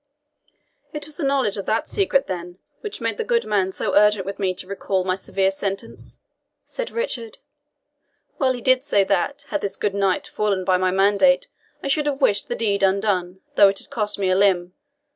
"It was the knowledge of that secret, then, which made the good man so urgent with me to recall my severe sentence?" said Richard. "Well did he say that, had this good knight fallen by my mandate, I should have wished the deed undone though it had cost me a limb.